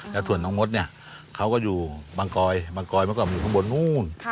แล้วถ่วงตัวน้องมดเนี่ยเขาอยู่บางกอยอยู่ข้างบนโน้นนู้น